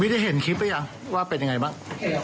ได้เห็นคลิปหรือยังว่าเป็นยังไงบ้าง